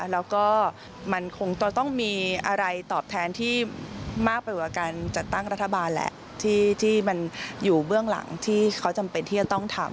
แล้วก็มันคงต้องมีอะไรตอบแทนที่มากไปกว่าการจัดตั้งรัฐบาลแหละที่มันอยู่เบื้องหลังที่เขาจำเป็นที่จะต้องทำ